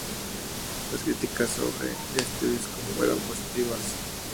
Las críticas sobre este disco fueron positivas.